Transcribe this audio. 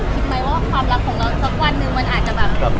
คิดไหมว่าความรักนั้นสักวันน่าจะ